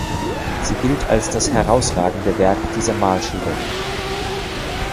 Sie gilt als das herausragende Werk dieser Malschule.